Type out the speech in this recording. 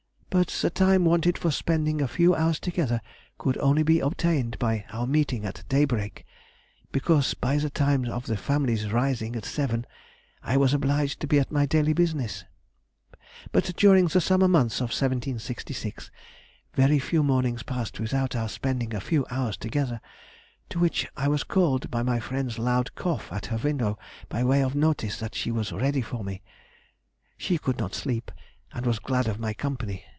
But the time wanted for spending a few hours together could only be obtained by our meeting at daybreak, because by the time of the family's rising at seven, I was obliged to be at my daily business. But during the summer months of 1766 very few mornings passed without our spending a few hours together, to which I was called by my friend's loud cough at her window by way of notice that she was ready for me [she could not sleep, and was glad of my company.